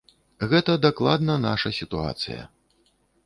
Гэта дакладна наша сітуацыя.